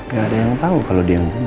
gak ada yang tau kalau dia yang bunuh